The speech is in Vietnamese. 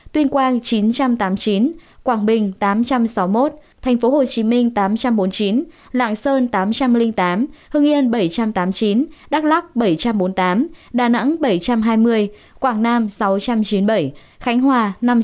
tuyên quang chín trăm tám mươi chín quảng bình tám trăm sáu mươi một tp hcm tám trăm bốn mươi chín lạng sơn tám trăm linh tám hưng yên bảy trăm tám mươi chín đắk lắc bảy trăm bốn mươi tám đà nẵng bảy trăm hai mươi quảng nam sáu trăm chín mươi bảy khánh hòa năm trăm sáu mươi chín